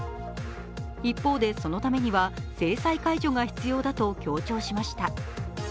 一方で、そのためには制裁解除が必要だと強調しました。